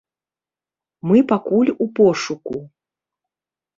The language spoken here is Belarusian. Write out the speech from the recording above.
Мы пакуль у пошуку.